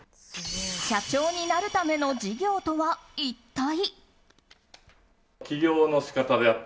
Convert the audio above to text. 社長になるための授業とは一体。